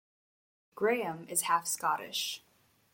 Graeme is half Scottish.